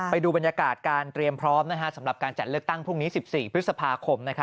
ไปดูบรรยากาศการเตรียมพร้อมสำหรับการจัดเลือกตั้งพรุ่งนี้๑๔พฤษภาคม